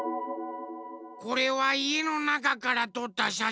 これはいえのなかからとったしゃしんだから。